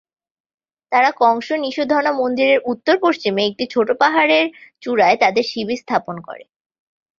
তারা কংস-নিসুধনা মন্দিরের উত্তর-পশ্চিমে একটি ছোট পাহাড়ের চূড়ায় তাদের শিবির স্থাপন করে।